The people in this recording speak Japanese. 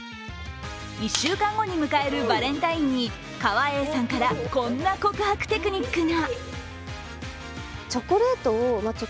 １週間後に迎えるバレンタインに川栄さんから、こんな告白テクニックが。